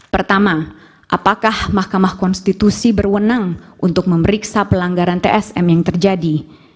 pertama apakah mahkamah konstitusi berwenang untuk memeriksa pelanggaran tsm yang terjadi